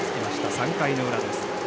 ３回の裏です。